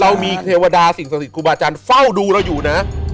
เรามีเทวดาสิ่งศักดิ์ครูบาอาจารย์เฝ้าดูเราอยู่นะ